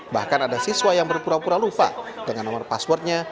bahkan ada siswa yang berpura pura lupa dengan nomor passwordnya